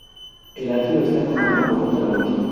El atrio está coronado por un tragaluz.